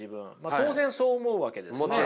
当然そう思うわけですよね。